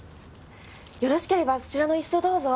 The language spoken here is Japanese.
よろしければそちらのイスをどうぞ。